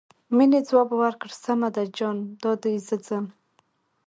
مينې ځواب ورکړ سمه ده جان دادی زه ځم.